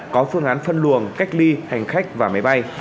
có phương án phân luồng cách ly hành khách và máy bay